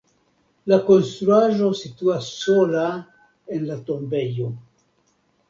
La konstruaĵo situas sola en la tombejo.